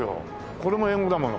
これも英語だもの。